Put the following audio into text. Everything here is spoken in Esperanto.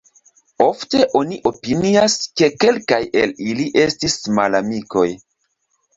Ofte oni opinias, ke kelkaj el ili estis malamikoj.